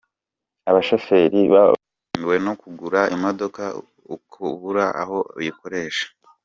Abashoferi babangamiwe no kugura imodoka ukabura aho uyikoresha.